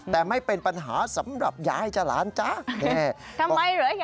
ทำอะไรเหรอยาย